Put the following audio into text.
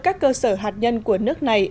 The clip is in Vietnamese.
các cơ sở hạt nhân của nước này